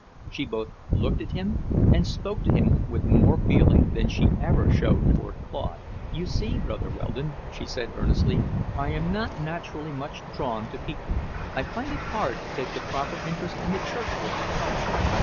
She both looked at him and spoke to him with more feeling than she ever showed toward Claude. "You see, Brother Weldon," she said earnestly, "I am not naturally much drawn to people. I find it hard to take the proper interest in the church work at home.